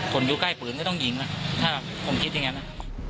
อยู่ใกล้ปืนก็ต้องยิงถ้าผมคิดอย่างนั้นนะ